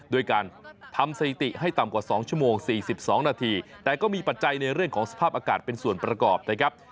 ด้วยการทำสถิติให้ต่ำกว่า๒ชั่วโมง๔๒นาทีแต่ก็มีปัจจัยในเรื่องของสภาพอากาศเป็นส่วนประกอบนะครับ